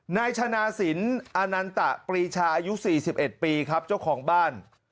นายชนะสินอนันตะปรีชาอายุ๔๑ปีครับเจ้าของบ้าน